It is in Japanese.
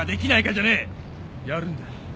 やるんだ。